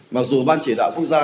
mặc dù ban chỉ đạo quốc gia